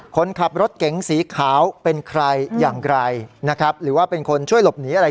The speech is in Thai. คนขับรถเก๋งสีขาวเป็นใครอย่างไรนะครับหรือว่าเป็นคนช่วยหลบหนีอะไร